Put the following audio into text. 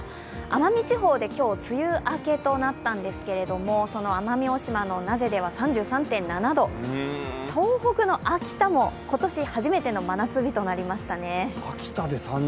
奄美地方で今日、梅雨明けとなったんですけれども、その奄美大島の名瀬では３３．７度、東北の秋田も今年初めての真夏日となりましたね。